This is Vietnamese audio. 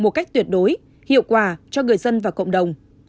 một cách tuyệt đối hiệu quả cho người dân và cộng đồng